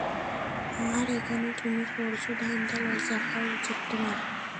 আর এখানে তুমি করছো ধান্দা লজ্জা হওয়া উচিত তোমার।